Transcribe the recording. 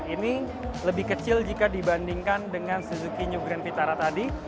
ini lebih kecil jika dibandingkan dengan suzuki new grand vitara tadi